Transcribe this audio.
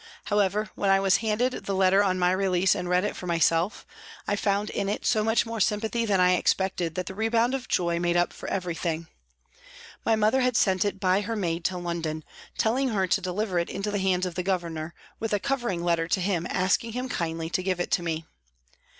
How ever, when I was handed the letter on my release and read it for myself, I found in it so much more sympathy than I expected that the rebound of joy made up for everything. My mother had sent it by her maid to London, telling her to deliver it into the hands of the Governor with a covering letter to him asking him kindly to give it to me.